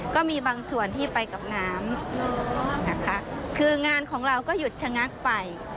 ก็มีบางส่วนที่ไปกับน้ำนะคะคืองานของเราก็หยุดชะงักไป